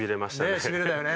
ねえしびれたよね。